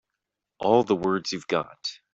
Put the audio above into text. All the words you've got.